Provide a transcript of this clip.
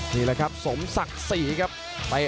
นี่นะครับสมศักดิ์สี่